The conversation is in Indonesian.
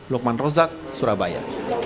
lokman rozak surabaya